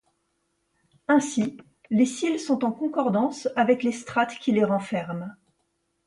Ainsi, les sills sont en concordance avec les strates qui les renferment.